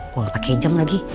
gue gak pake jam lagi